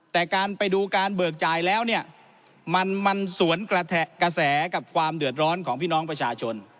แต่การไปดูการเบิกจ่ายแล้วเนี่ยมันสวนกระแสกับความเดือดร้อนของพี่น้องประชาชน